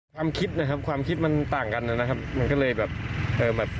ความคิดนะครับความคิดมันต่างกันนะครับมันก็เลยแบบเอ่อแบบ